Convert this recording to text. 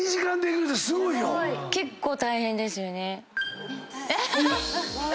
結構大変ですよね。